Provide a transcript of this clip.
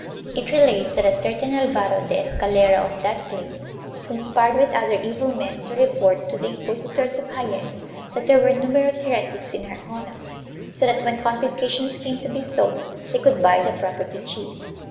It relates that a certain Alvaro de Escalera of that place conspired with other evil men to report to the inquisitors of Jaen that there were numerous heretics in Arjona, so that when confiscations came to be sold they could buy the property cheap.